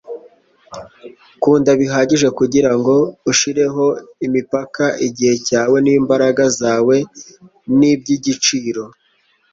kunda bihagije kugirango ushireho imipaka. igihe cyawe n'imbaraga zawe ni iby'igiciro